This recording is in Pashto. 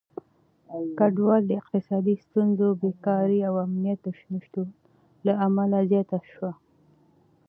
کډوالي د اقتصادي ستونزو، بېکاري او امنيت د نشتون له امله زياته شوه.